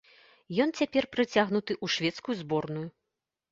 Ён цяпер прыцягнуты ў шведскую зборную.